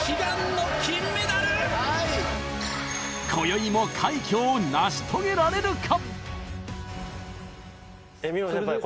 今宵も快挙を成し遂げられるか？